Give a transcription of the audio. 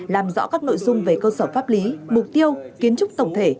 làm rõ các nội dung về cơ sở pháp lý mục tiêu kiến trúc tổng thể